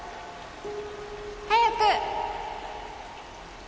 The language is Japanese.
早く！